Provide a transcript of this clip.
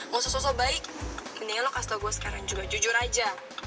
mau sosok sosok baik mendingan lo kasih tau gue sekarang juga jujur aja